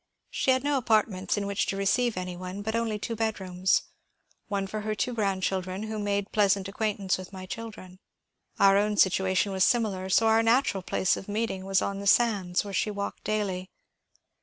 She had no apartments in which to receive any one, but only two bed rooms, — one for her two grandchildren, who made pleasant acquaintance with my children. Our own situation was sim ilar, so our natural place of meeting was on the sands where she walked daily.